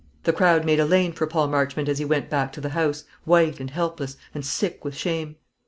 The crowd made a lane for Paul Marchmont as he went back to the house, white and helpless, and sick with shame.